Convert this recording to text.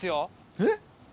えっ！